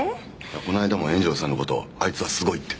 この間も円城寺さんの事あいつはすごいって。